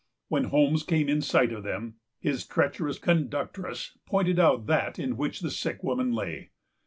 When Holmes came in sight of them, his treacherous conductress pointed out that in which the sick woman lay.